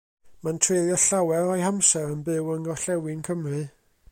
Mae'n treulio llawer o'i hamser yn byw yng Ngorllewin Cymru.